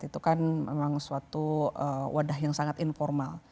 itu kan memang suatu wadah yang sangat informal